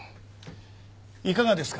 いかがですか？